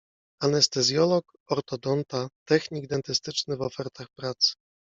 Anestezjolog, ortodonta, technik dentystyczny w ofertach pracy.